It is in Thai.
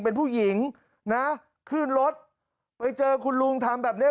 เป็นผู้หญิงนะขึ้นรถไปเจอคุณลุงทำแบบเนี้ย